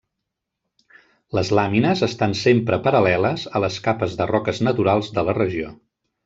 Les làmines estan sempre paral·leles a les capes de roques naturals de la regió.